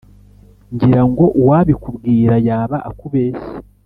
” ngira ngo uwabikubwira yaba akubeshye!